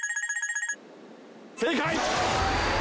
正解！